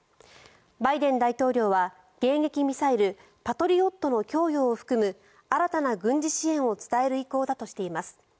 バイデン大統領は迎撃ミサイル、パトリオットの供与を含む新たな軍事支援を伝える意向だとしています。